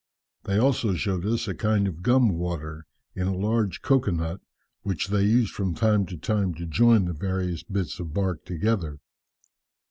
"They also showed us a kind of gum water in a large cocoa nut which they used from time to time to join the various bits of bark together.